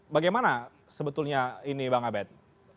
bagaimana sebetulnya ini bang abed